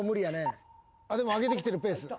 でも上げてきてるペース。